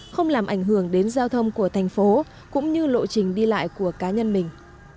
không làm ảnh hưởng đến giao thông của thành phố cũng như lộ trình đi lại của cá nhân mình